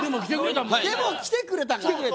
でも来てくれたもんね。